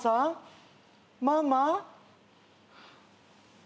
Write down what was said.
ママ？